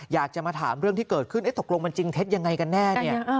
อยากจะมาถามเรื่องที่เกิดขึ้นตกลงมันจริงเท็จยังไงกันแน่เนี่ย